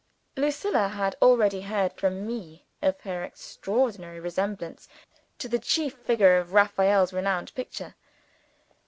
Lucilla had already heard from me of her extraordinary resemblance to the chief figure in Raphael's renowned picture.